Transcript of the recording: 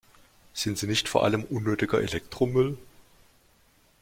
Sind sie nicht vor allem unnötiger Elektromüll?